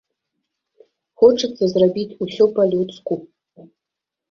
Хочацца зрабіць усё па-людску.